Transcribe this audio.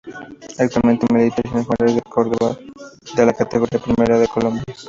Actualmente milita en el Jaguares de Córdoba de la Categoría Primera A colombiana.